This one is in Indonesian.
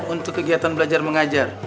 untuk kegiatan belajar mengajar